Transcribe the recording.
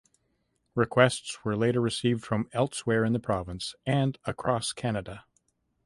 Requests were later received from elsewhere in the province and across Canada.